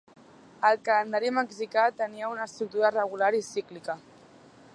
El calendari mexica tenia una estructura regular i cíclica.